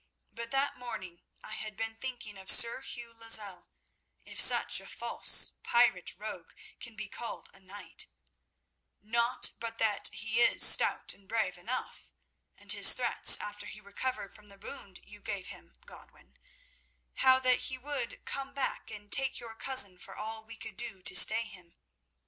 But that morning I had been thinking of Sir Hugh Lozelle—if such a false, pirate rogue can be called a knight, not but that he is stout and brave enough—and his threats after he recovered from the wound you gave him, Godwin; how that he would come back and take your cousin for all we could do to stay him.